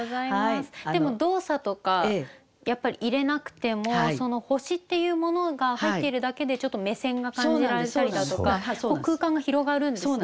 でも動作とかやっぱり入れなくても星っていうものが入っているだけでちょっと目線が感じられたりだとか空間が広がるんですね。